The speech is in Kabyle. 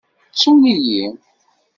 Ttun-iyi.